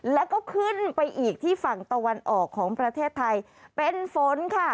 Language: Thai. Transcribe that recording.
แล้วก็ขึ้นไปอีกที่ฝั่งตะวันออกของประเทศไทยเป็นฝนค่ะ